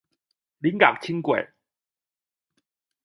臨港輕軌